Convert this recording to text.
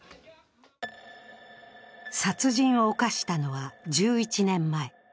殺人を犯したのは１１年前。